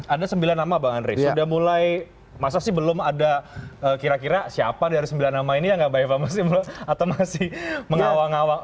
ada sembilan nama bang andre sudah mulai masa sih belum ada kira kira siapa dari sembilan nama ini yang nggak mbak eva masih mengawang awang